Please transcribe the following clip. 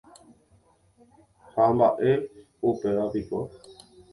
Ha mba'e upéva piko.